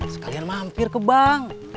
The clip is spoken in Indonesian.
sekalian mampir ke bank